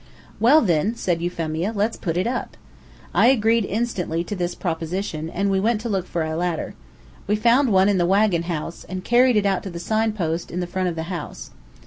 "Well, then," said Euphemia, "let's put it up." I agreed instantly to this proposition, and we went to look for a ladder. We found one in the wagon house, and carried it out to the sign post in the front of the house.